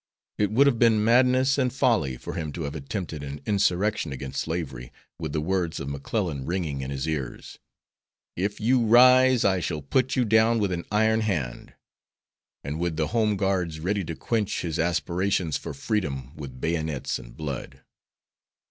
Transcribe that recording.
It would have been madness and folly for him to have attempted an insurrection against slavery, with the words of McClellan ringing in his ears: "If you rise I shall put you down with an iron hand," and with the home guards ready to quench his aspirations for freedom with bayonets and blood.